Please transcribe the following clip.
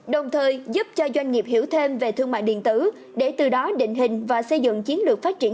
đồng thời giúp cho doanh nghiệp hiểu thêm về thương mại điện tử để từ đó định hình và xây dựng chiến lược phát triển